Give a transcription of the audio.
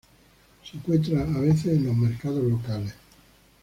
Se encuentra, a veces, en los mercados locales.